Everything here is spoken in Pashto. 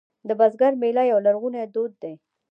د بزګر میله یو لرغونی دود دی